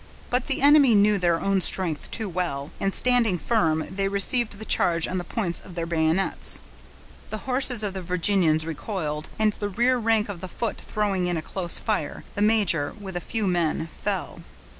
But the enemy knew their own strength too well, and, standing firm, they received the charge on the points of their bayonets. The horses of the Virginians recoiled, and the rear rank of the foot throwing in a close fire, the major, with a few men, fell.